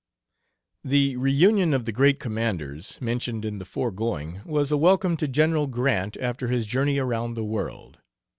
The "Reunion of the Great Commanders," mentioned in the foregoing, was a welcome to General Grant after his journey around the world.